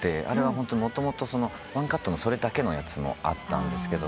あれはもともとワンカットのそれだけのやつもあったんです。